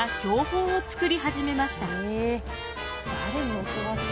誰に教わって。